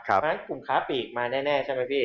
เพราะฉะนั้นกลุ่มค้าปีกมาแน่ใช่ไหมพี่